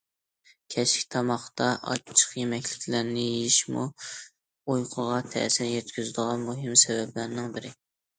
كەچلىك تاماقتا ئاچچىق يېمەكلىكلەرنى يېيىشمۇ ئۇيقۇغا تەسىر يەتكۈزىدىغان مۇھىم سەۋەبلەرنىڭ بىرى.